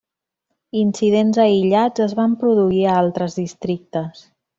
Incidents aïllats es van produir a altres districtes.